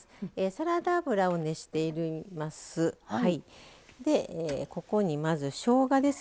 サラダ油を熱しています。